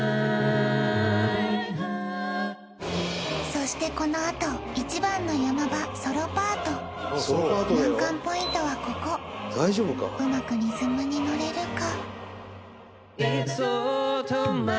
そしてこのあと一番のヤマ場ソロパート難関ポイントはここうまくリズムに乗れるか？